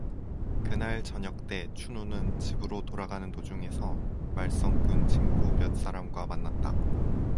그날 저녁 때 춘우는 집으로 돌아가는 도중에서 말성꾼 친구 몇 사람과 만났다.